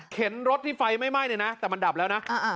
เข็นรถที่ไฟไม่ไหม้เลยนะแต่มันดับแล้วนะอ่าอ่า